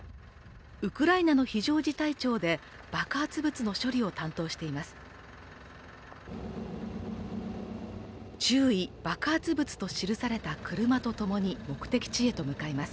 ウクライナの非常事態庁で爆発物の処理を担当しています。